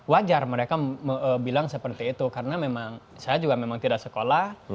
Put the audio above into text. wajar mereka bilang seperti itu karena memang saya juga memang tidak sekolah